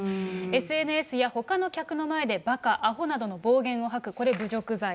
ＳＮＳやほかの客の前でばか、あほなどの暴言を吐く、これ、侮辱罪。